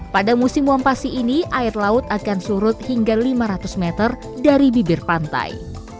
pada musim wampasi ini air laut akan surut hingga lima ratus meter dari bibir pantai